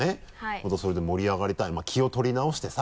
またそれで盛り上がりたいまぁ気を取り直してさ。